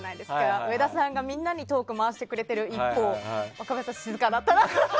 上田さんがみんなにトーク回してくれてる一方若林さん、静かだったなって。